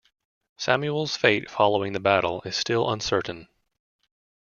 Samuel's fate following the battle is still uncertain.